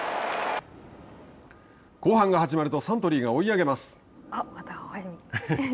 後半が始まると、サントリーが追い上げます。